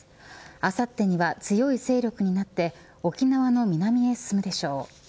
あさってには強い勢力になって沖縄の南へ進むでしょう。